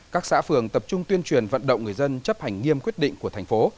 các xã phường tập trung tuyên truyền vận động người dân chấp hành nghiêm quyết định của thành phố